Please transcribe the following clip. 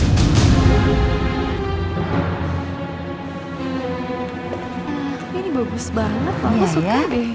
ini bagus banget aku suka deh